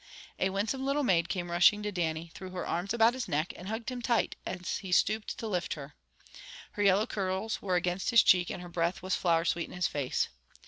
A winsome little maid came rushing to Dannie, threw her arms about his neck, and hugged him tight, as he stooped to lift her. Her yellow curls were against his cheek, and her breath was flower sweet in his face.